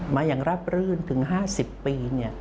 มาอย่างราบรื่นถึง๕๐ปี